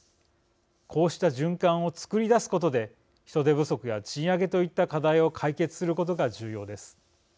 こうした循環を作り出すことで人手不足や賃上げといった課題を解決することが重要です。